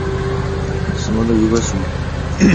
缺叉石蛾属为毛翅目指石蛾科底下的一个属。